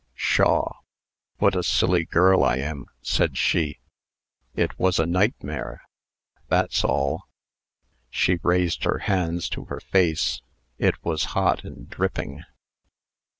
"Pshaw! what a silly girl I am!" said she. "It was a nightmare. That's all." She raised her hands to her face. It was hot and dripping.